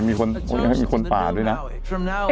มีคนป่าด้วยนะ